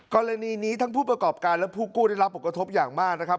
กรณีนี้ทั้งผู้ประกอบการและผู้กู้ได้รับผลกระทบอย่างมากนะครับ